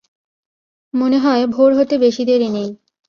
মনে হয় ভোর হতে বেশি দেরি নেই।